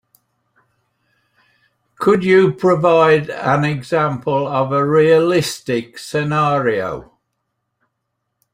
Could you provide an example of a realistic scenario?